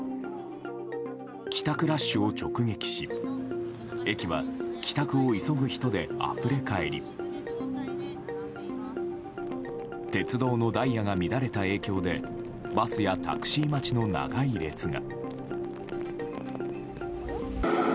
帰宅ラッシュを直撃し駅は、帰宅を急ぐ人であふれ返り鉄道のダイヤが乱れた影響でバスやタクシー待ちの長い列が。